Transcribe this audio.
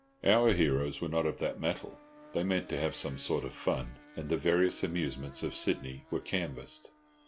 Our heroes were not of that mettle. They meant to have some sort of fun, and the various amusements of Sydney were canvassed.